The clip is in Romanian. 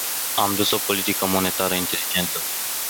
Am dus o politică monetară inteligentă.